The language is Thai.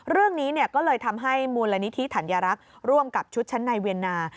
เรื่องนี้ก็เลยทำให้มูลนิธิธัญรักษ์ร่วมกับชุดชั้นในเวียนนา